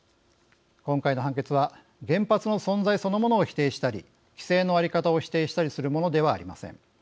今回の判決は原発の存在そのものを否定したり規制の在り方を否定したりするものではありません。